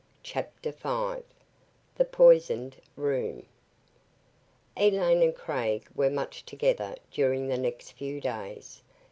CHAPTER V THE POISONED ROOM Elaine and Craig were much together during the next few days.